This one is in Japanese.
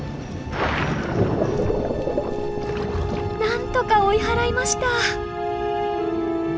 なんとか追い払いました。